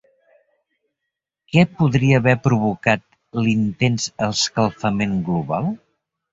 Què podria haver provocat l'intens escalfament global?